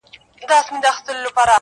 هر يو سر يې هره خوا وهل زورونه-